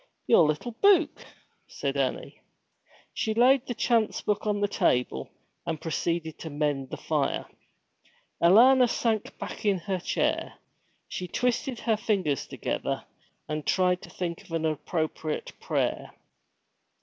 'Your little buke,' said Annie. She laid the chance book on the table, and proceeded to mend the fire. Alanna sank back in her chair. She twisted her fingers together, and tried to think of an appropriate prayer.